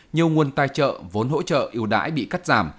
nhiều nguồn tài trợ vốn hỗ trợ yêu đãi bị cắt giảm